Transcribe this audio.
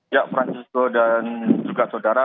ya francisco dan juga saudara